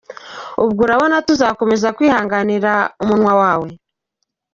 Ubwo urabona tuzakomeza kwihanganira umunwa wawe?”